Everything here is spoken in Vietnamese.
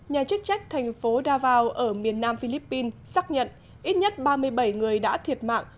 nhà chức trách thành phố davao ở miền nam philippines xác nhận ít nhất ba mươi bảy người đã thiệt mạng